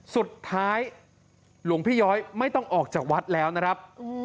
สุดท้ายหลวงพี่ย้อยไม่ต้องออกจากวัดเอาแล้วนะครับ